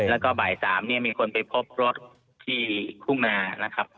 แล้วก็บ่าย๓เนี่ยมีคนไปพบรถที่ทุ่งนานะครับ